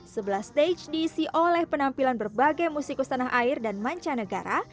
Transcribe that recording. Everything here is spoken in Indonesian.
sebelah stage diisi oleh penampilan berbagai musikus tanah air dan mancanegara